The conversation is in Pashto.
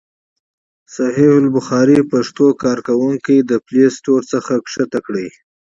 صحیح البخاري پښتو کاریال د پلای سټور څخه کښته کړئ.